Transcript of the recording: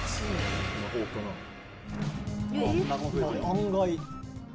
案外。